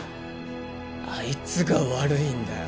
あいつが悪いんだよ